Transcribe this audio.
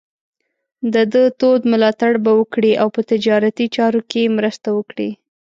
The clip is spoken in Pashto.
د ده تود ملاتړ به وکړي او په تجارتي چارو کې مرسته وکړي.